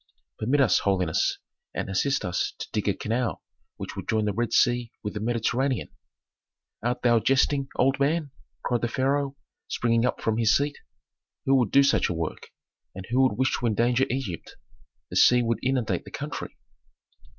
"Permit us, holiness, and assist us to dig a canal which would join the Red Sea with the Mediterranean." "Art thou jesting, old man?" cried the pharaoh, springing up from his seat. "Who could do such a work, and who could wish to endanger Egypt? The sea would inundate the country."